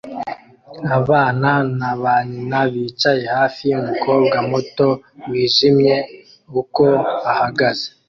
Abana na ba nyina bicaye hafi yumukobwa muto wijimye uko ahagaze